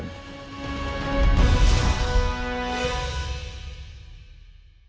โปรดติดตามตอนต่อไป